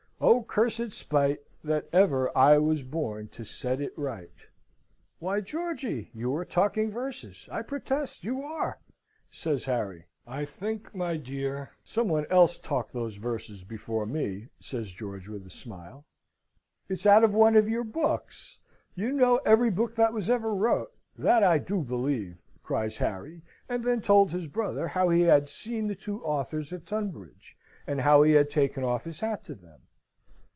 O cursed spite, that ever I was born to set it right!" "Why, Georgy, you are talking verses, I protest you are!" says Harry. "I think, my dear, some one else talked those verses before me," says George, with a smile. "It's out of one of your books. You know every book that ever was wrote, that I do believe!" cries Harry, and then told his brother how he had seen the two authors at Tunbridge, and how he had taken off his hat to them.